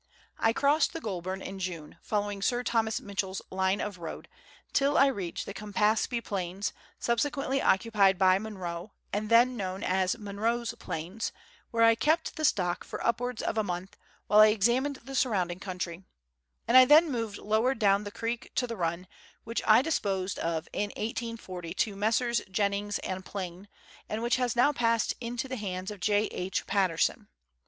I crossed the Goulburn in June, follow ing Sir Thomas Mitchell's line of road, till I reached the Cam paspe Plains, subsequently occupied by Monro, and then known as Munro's Plains, where I kept the stock for upwards of a month, while I examined the surrounding country; and I then moved lower down the creek to the run, which I disposed of in 1840 to Messrs. Jennings and Playne, and which has now passed into the hands of J. H. Patterson.